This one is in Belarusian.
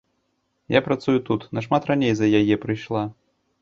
Я працую тут, нашмат раней за яе прыйшла.